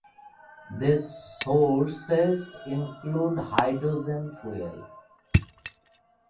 These sources include hydrogen fuel cells, batteries, supercapacitors, and flywheel energy storage devices.